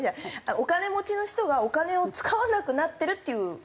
お金持ちの人がお金を使わなくなってるという。